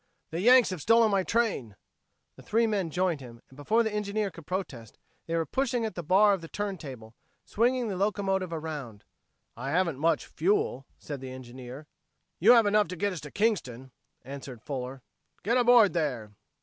"The Yanks have stolen my train!" The three men joined him, and before the engineer could protest, they were pushing at the bar of the turn table, swinging the locomotive around. "I haven't much fuel," said the engineer. "You have enough to get us to Kingston," answered Fuller. "Get aboard there!"